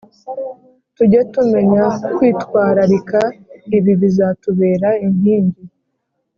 tuge tumenya kwitwararika, ibi bizatubera inking